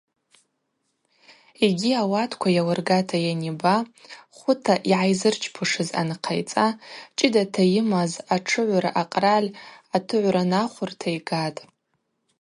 Йгьи ауатква йалыргата йаниба, хвыта йгӏайзырчпушыз анхъайцӏа, чӏыдата йымаз атшыгӏвра акъраль атыгӏвранахвырта йгатӏ.